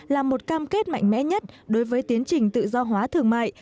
là một cam kết mạnh mẽ nhất đối với tiến trình tự do hóa thương mại